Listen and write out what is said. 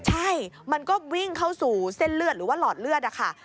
ใช่มันก็วิ่งเข้าสู่เส้นเลือดหรือว่าหลอดเลือดนะคะ